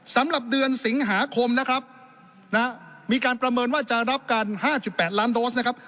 สำหรับเดือนสิงหาคมนะครับมีการประเมินว่าจะรับกัน๕๘ล้านโดสนะครับ